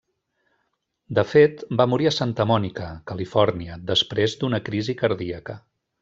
De fet, va morir a Santa Mònica, Califòrnia, després d'una crisi cardíaca.